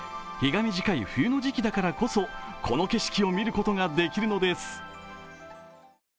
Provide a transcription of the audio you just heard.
日が短い冬の時期だからこそこの景色を見ることができるのです。